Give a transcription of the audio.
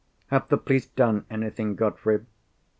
"Have the police done anything, Godfrey?"